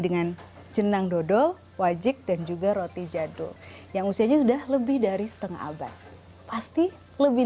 dengan jenang dodol wajik dan juga roti jadul yang usianya sudah lebih dari setengah abad pasti lebih